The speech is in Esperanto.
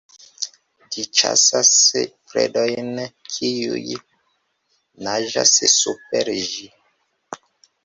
Ĝi ĉasas predojn, kiuj naĝas super ĝi.